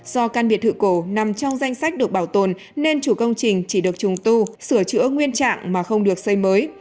do căn biệt thự cổ nằm trong danh sách được bảo tồn nên chủ công trình chỉ được trùng tu sửa chữa nguyên trạng mà không được xây mới